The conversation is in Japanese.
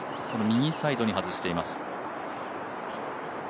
その右サイドに外しています。